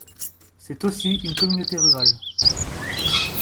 C'est aussi une communauté rurale.